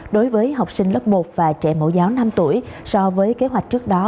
đối với học sinh lớp một và trẻ mẫu giáo năm tuổi so với kế hoạch trước đó